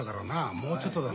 もうちょっとだな。